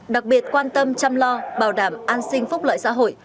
đặc biệt quan tâm chăm lo bảo đảm an sinh phúc lợi xã hội